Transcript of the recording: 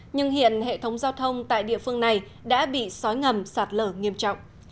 nhưng hiện hệ thống giao thông tại địa phương này đã bị sói ngầm sạt lở nghiêm trọng